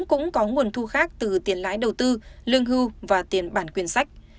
cũng có nguồn thu khác từ tiền lái đầu tư lương hưu và tiền bản quyền sách